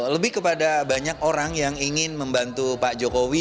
lebih kepada banyak orang yang ingin membantu pak jokowi